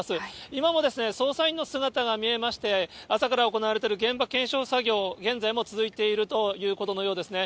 今も捜査員の姿が見えまして、朝から行われている現場検証作業、現在も続いているということのようですね。